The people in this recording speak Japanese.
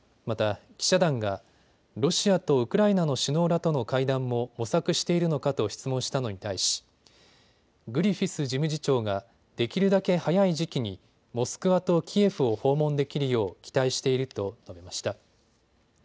また記者団がロシアとウクライナの首脳らとの会談も模索しているのかと質問したのに対し、グリフィス事務次長ができるだけ早い時期にモスクワとキエフを訪問できるよう期待していると述べました。